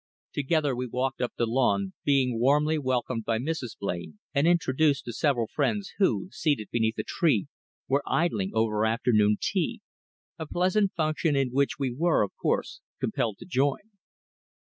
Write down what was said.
Together we walked up the lawn, being warmly welcomed by Mrs. Blain and introduced to several friends who, seated beneath a tree, were idling over afternoon tea, a pleasant function in which we were, of course, compelled to join.